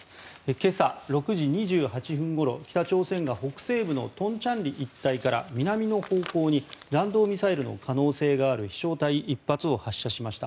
今朝６時２８分ごろ北朝鮮が北西部の東倉里一帯から南の方向に弾道ミサイルの可能性がある飛翔体１発を発射しました。